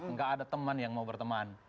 nggak ada teman yang mau berteman